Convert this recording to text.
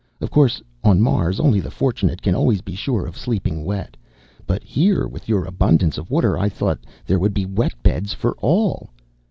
Of course, on Mars, only the fortunate can always be sure of sleeping wet, but here, with your abundance of water, I thought there would be wet beds for all."